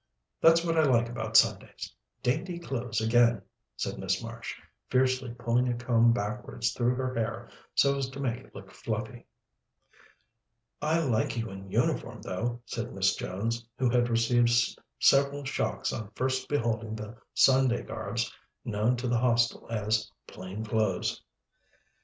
That's what I like about Sundays dainty clothes again," said Miss Marsh, fiercely pulling a comb backwards through her hair so as to make it look fluffy. "I like you in uniform, though," said Miss Jones, who had received several shocks on first beholding the Sunday garbs known to the Hostel as "plain clothes."